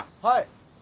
はい。